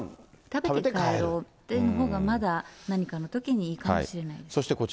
食べて帰ろうというほうがまだ何かのときにいいかもしれない。